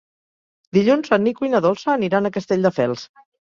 Dilluns en Nico i na Dolça aniran a Castelldefels.